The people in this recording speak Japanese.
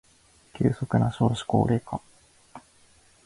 急速な少子高齢化